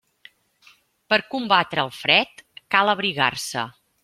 Per combatre el fred, cal abrigar-se.